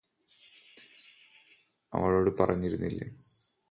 അവളോട് പറഞ്ഞിരുന്നില്ലേ